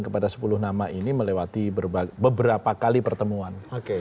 kepada sepuluh nama ini melewati beberapa kali pertemuan